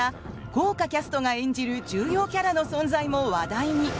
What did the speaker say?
豪華キャストが演じる重要キャラの存在も話題に。